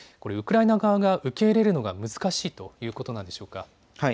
ウクライナ側が受け入れるのが難しいということなんでしょうか。